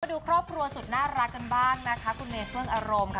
ดูครอบครัวสุดน่ารักกันบ้างนะคะคุณเมเฟื่องอารมณ์ค่ะ